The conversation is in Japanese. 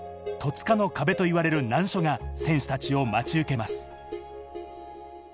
戸塚の壁といわれる難所が選手たちを待ち受けます。